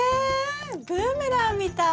ブーメランみたい。